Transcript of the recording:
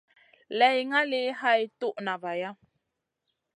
Lay ngali hay toud na vaya.